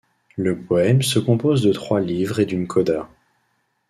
Le poème se compose de trois livres et d'une coda.